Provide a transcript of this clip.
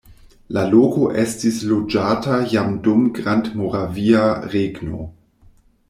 La loko estis loĝata jam dum Grandmoravia Regno.